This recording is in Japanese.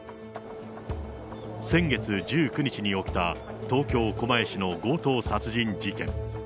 先月１９日に起きた東京・狛江市の強盗殺人事件。